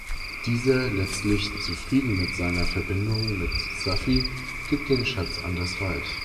Dieser, letztlich zufrieden mit seiner Verbindung mit Saffi, gibt den Schatz an das Reich.